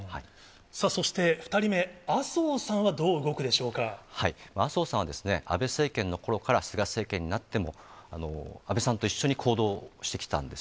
さあそして、２人目、麻生さ麻生さんは、安倍政権のころから菅政権になっても、安倍さんと一緒に行動してきたんです。